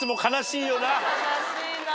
悲しいな。